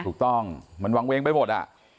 ถูกต้องมันวางเวงไปหมดอ่ะ